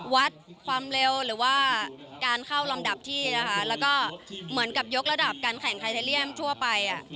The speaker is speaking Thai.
วัดความเร็วหรือว่าการเข้าลำดับที่นะคะแล้วก็เหมือนกับยกระดับการแข่งไทเทเลียมทั่วไป